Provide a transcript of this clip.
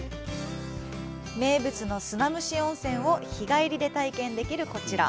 名物の砂むし温泉を日帰りで体験できるこちら。